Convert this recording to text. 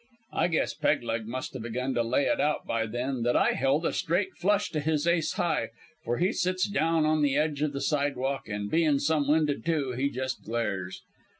"I guess Peg leg must 'a' begun to lay it out by then that I held a straight flush to his ace high, for he sits down on the edge of the sidewalk an', being some winded, too, he just glares.